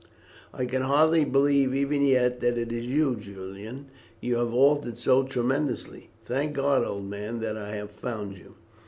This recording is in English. "I can hardly believe even yet that it is you, Julian, you have altered so tremendously. Thank God, old man, that I have found you."